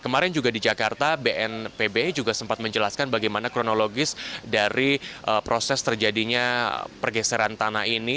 kemarin juga di jakarta bnpb juga sempat menjelaskan bagaimana kronologis dari proses terjadinya pergeseran tanah ini